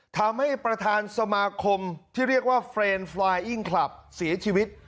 ทำให้ประธานสมาคมที่เรียกว่าเฟรนด์ฟลายอิ้งคลับเสียชีวิต